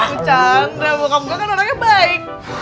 aku canda bokap gue kan orang yang baik